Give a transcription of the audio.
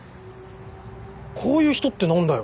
「こういう人」って何だよ。